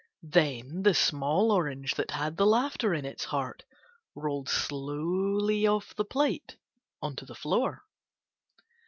Then the small orange that had the laughter in its heart rolled slowly off the plate on to the floor.